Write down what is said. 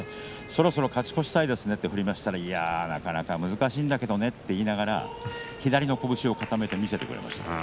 そろそろ勝ち越したいですねと振りましたら、いや、なかなか難しいんだけどねと言いながら左の拳を固めて見せてくれました。